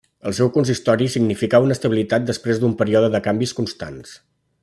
El seu consistori significà una estabilitat després d’un període de canvis constants.